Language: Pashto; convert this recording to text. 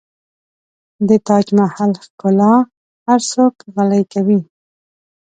د تاج محل ښکلا هر څوک غلی کوي.